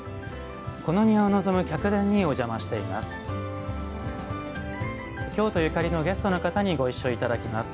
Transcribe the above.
この庭を望む客殿にお邪魔しています。